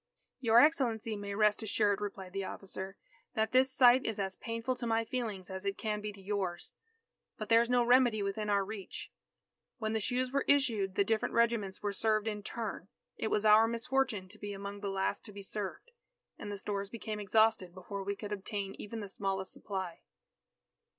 "Your Excellency may rest assured," replied the officer, "that this sight is as painful to my feelings as it can be to yours. But there is no remedy within our reach. When the shoes were issued, the different regiments were served in turn. It was our misfortune to be among the last to be served, and the stores became exhausted before we could obtain even the smallest supply."